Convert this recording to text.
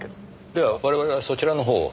では我々はそちらの方を。